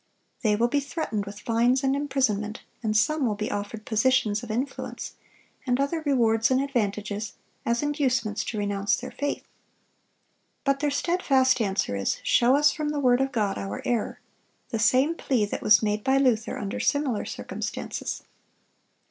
They will be threatened with fines and imprisonment, and some will be offered positions of influence, and other rewards and advantages, as inducements to renounce their faith. But their steadfast answer is, "Show us from the word of God our error,"—the same plea that was made by Luther under similar circumstances.